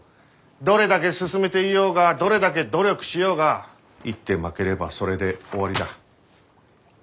どれだけ進めていようがどれだけ努力しようが一手負ければそれで終わりだ。